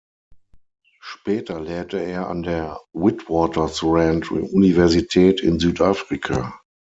Später lehrte er an der Witwatersrand-Universität in Südafrika.